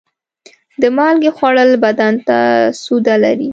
د مالګې خوړل بدن ته سوده لري.